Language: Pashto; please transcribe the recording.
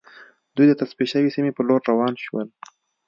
دوی د تصفیه شوې سیمې په لور روان شول